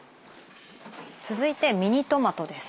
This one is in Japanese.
続いてミニトマトです。